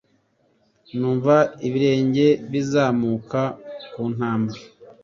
Numvaga ibirenge bizamuka kuntambwe